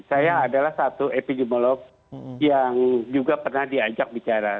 saya adalah satu epidemiolog yang juga pernah diajak bicara